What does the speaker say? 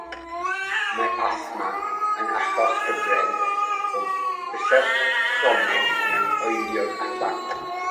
Mae asthma yn achos cyffredin o beswch cronig mewn oedolion a phlant.